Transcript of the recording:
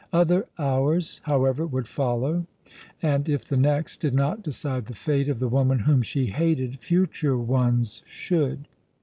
Other hours, however, would follow, and if the next did not decide the fate of the woman whom she hated, future ones should.